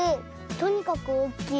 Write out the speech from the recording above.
とにかくおおきい。